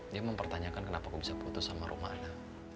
dia mempertanyakan kenapa aku bisa putus sama rumana